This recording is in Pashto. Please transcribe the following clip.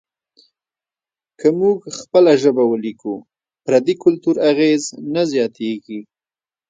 که موږ خپله ژبه ولیکو، پردي کلتور اغېز نه زیاتیږي.